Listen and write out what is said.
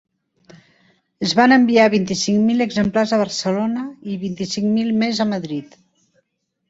Es van enviar vint-i-cinc mil exemplars a Barcelona i vint-i-cinc mil més a Madrid.